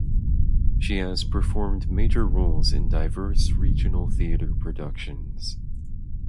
She has performed major roles in diverse regional theater productions.